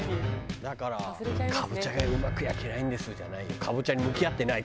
だから「カボチャがうまく焼けないんです」じゃないよ。